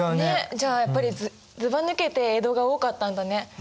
じゃあやっぱりずばぬけて江戸が多かったんだね。